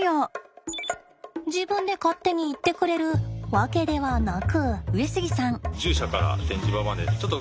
自分で勝手に行ってくれるわけではなく。